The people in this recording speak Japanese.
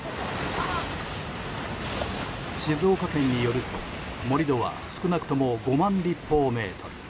静岡県によると盛り土は少なくとも５万立方メートル。